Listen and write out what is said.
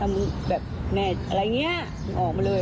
มึงแบบแม่อะไรเงี้ยมึงออกมาเลย